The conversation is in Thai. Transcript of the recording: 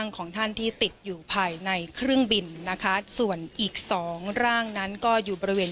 ของท่านที่ติดอยู่ภายในเครื่องบินนะคะส่วนอีกสองร่างนั้นก็อยู่บริเวณ